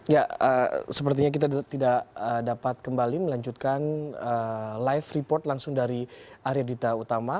ya sepertinya kita tidak dapat kembali melanjutkan live report langsung dari arya dita utama